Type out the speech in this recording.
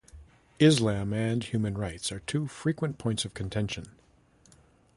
Islam and human rights are two frequent points of contention.